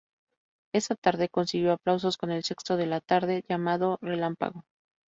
Esa tarde consiguió aplausos con el sexto de la tarde llamado "Relámpago".